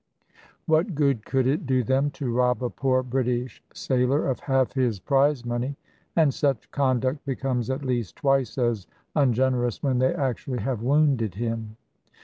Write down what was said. What good could it do them to rob a poor British sailor of half his prize money? And such conduct becomes at least twice as ungenerous when they actually have wounded him!